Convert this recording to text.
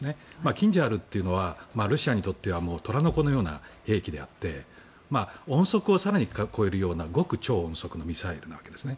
キンジャールというのはロシアにとっては虎の子のような兵器であって音速を更に超えるような極超音速ミサイルなんですね。